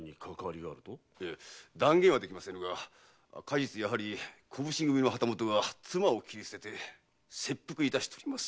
断言はできませぬが過日やはり小普請組の旗本が妻を斬り捨てて切腹いたしております。